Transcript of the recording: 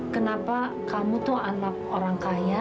kenapa kamu tuh anak orang kaya